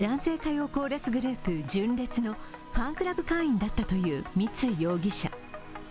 ２年半前から男性歌謡コーラスグループ、純烈のファンクラブ会員だったという三井容疑者。